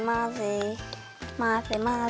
まぜまぜ。